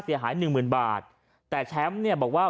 ก็ได้พลังเท่าไหร่ครับ